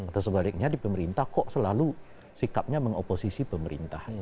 atau sebaliknya di pemerintah kok selalu sikapnya mengoposisi pemerintah